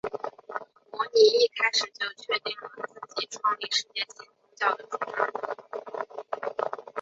摩尼一开始就确定了自己创立世界性宗教的主张。